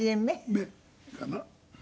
目かな。